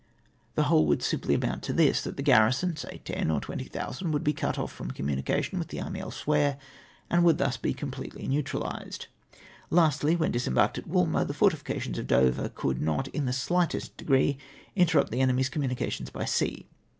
The whole would simply amoimt to this, that the garrison, say 10,000 or 20,000, would be cut off from communication with the army elsewhere, and would thus be completely neutrahsed. Lastly, when disem barked at Walnier, the fortifications of Dover could not in the shghtest degree interrupt the enemy's com munications by sea.